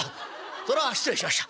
そら失礼しました。